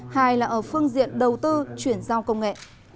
hai là ở phương diện đầu tư chuyển giao công nghệ